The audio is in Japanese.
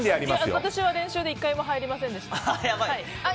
私は練習で１回も入りませんでした。